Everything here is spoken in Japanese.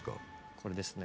これですね。